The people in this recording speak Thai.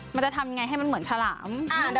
มันจะทำยังไงให้มันเหมือนฉลาม